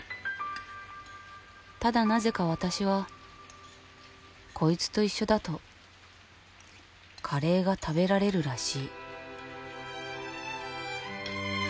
ただなぜか私はこいつと一緒だとカレーが食べられるらしい。